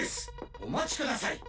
お待ちください！